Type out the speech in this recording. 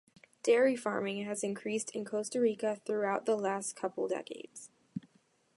Dairy farming has increased in Costa Rica throughout the last couple decades.